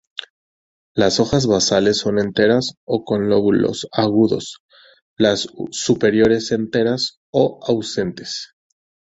Las hojas basales son enteras o con lóbulos agudos; las superiores enteras o ausentes.